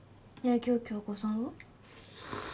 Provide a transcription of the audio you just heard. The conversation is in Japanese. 今日響子さんは？